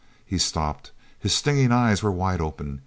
He stopped. His stinging eyes were wide open.